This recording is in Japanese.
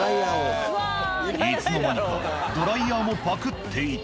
いつの間にかドライヤーもパクっていた。